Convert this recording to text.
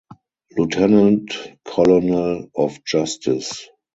Lieutenant Colonel of Justice.